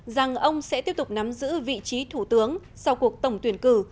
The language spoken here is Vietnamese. rằng ông sẽ tiếp tục nắm giữ vị trí thủ tướng sau cuộc tổng tuyển cử